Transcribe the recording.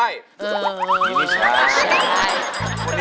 รูมีปาน